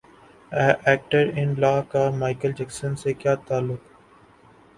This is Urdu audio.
ایکٹر ان لا کا مائیکل جیکسن سے کیا تعلق